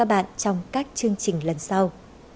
hẹn gặp lại các bạn trong các chương trình lần sau